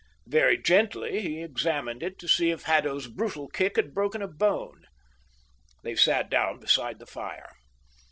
Very gently he examined it to see if Haddo's brutal kick had broken a bone. They sat down beside the fire.